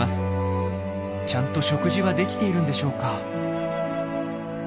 ちゃんと食事はできているんでしょうか？